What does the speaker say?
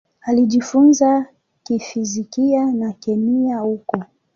Alijifunza fizikia na kemia huko.